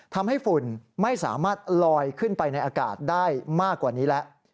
ฝุ่นไม่สามารถลอยขึ้นไปในอากาศได้มากกว่านี้แล้ว